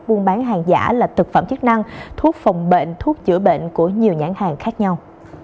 buôn bán hàng giả là thực phẩm chức năng thuốc phòng bệnh thuốc chữa bệnh của nhiều nhãn hàng khác nhau